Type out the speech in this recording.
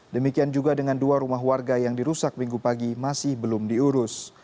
demikian juga dengan dua rumah warga yang dirusak minggu pagi masih belum diurus